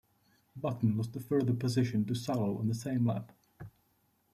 Button lost a further position to Salo on the same lap.